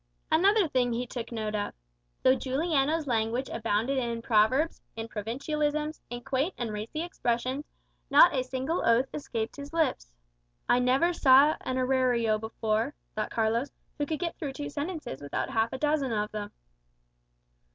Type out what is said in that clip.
Another thing he took note of. Though Juliano's language abounded in proverbs, in provincialisms, in quaint and racy expressions, not a single oath escaped his lips. "I never saw an arriero before," thought Carlos, "who could get through two sentences without half a dozen of them."